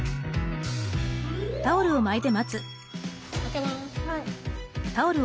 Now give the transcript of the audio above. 開けます。